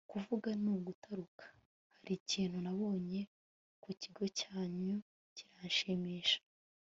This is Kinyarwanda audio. kuvuga ni ugutaruka! hari ikintu nabonye ku kigo cyanyu kiranshimisha